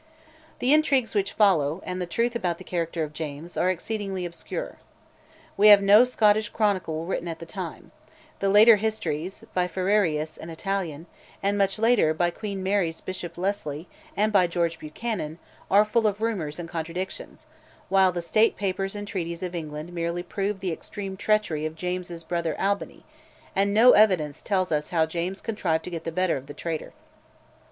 The intrigues which follow, and the truth about the character of James, are exceedingly obscure. We have no Scottish chronicle written at the time; the later histories, by Ferrerius, an Italian, and, much later, by Queen Mary's Bishop Lesley, and by George Buchanan, are full of rumours and contradictions, while the State Papers and Treaties of England merely prove the extreme treachery of James's brother Albany, and no evidence tells us how James contrived to get the better of the traitor.